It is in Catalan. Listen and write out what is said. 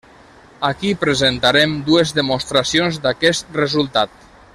Aquí presentarem dues demostracions d'aquest resultat.